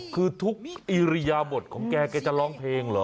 คือทุกอิริยบทของแกแกจะร้องเพลงเหรอ